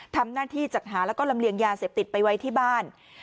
ทำหน้าที่จัดหาแล้วก็ลำเลียงยาเสพติดไปไว้ที่บ้าน